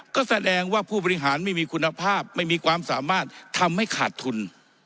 ก็แสดงว่าผู้บริหารไม่มีคุณภาพไม่มีความสามารถทำให้ขาดทุน